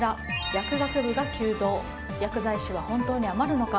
薬学部が急増薬剤師は本当に余るのか？